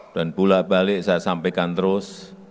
dan pula balik saya sampaikan terus